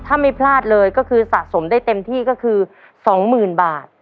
ถ้าไม่พลาดเลยก็คือสะสมได้เต็มที่ก็คือ๒๐๐๐บาท